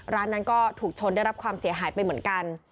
ร้านนั้นก็ถูกชนได้รับความเสียหายไปเหมือนกัน